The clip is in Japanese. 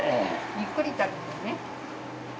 ゆっくり食べてね。